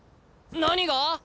何が？